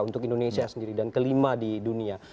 untuk indonesia sendiri dan kelima di dunia